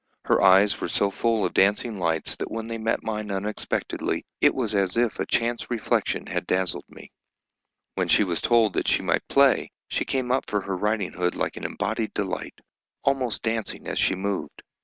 Her eyes were so full of dancing lights that when they met mine unexpectedly it was as if a chance reflection had dazzled me. When she was told that she might play, she came up for her riding hood like an embodied delight, almost dancing as she moved.